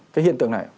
cái hiện tượng này